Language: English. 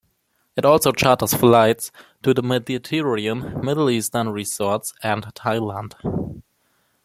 It also charters flights to the Mediterranean, Middle Eastern resorts and Thailand.